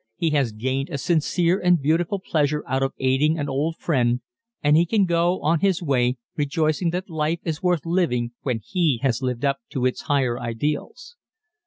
He has gained a sincere and beautiful pleasure out of aiding an old friend and he can go on his way rejoicing that life is worth living when he has lived up to its higher ideals.